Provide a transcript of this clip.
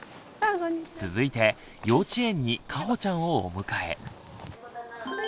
続いて幼稚園にかほちゃんをお迎え。